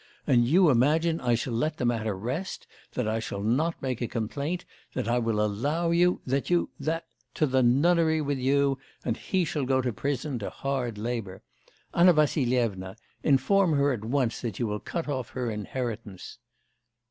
And you imagine I shall let the matter rest, that I shall not make a complaint, that I will allow you that you that To the nunnery with you, and he shall go to prison, to hard labour! Anna Vassilyevna, inform her at once that you will cut off her inheritance!